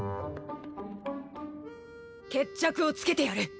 決着をつけてやる。